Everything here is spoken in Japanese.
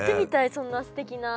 そんなすてきな。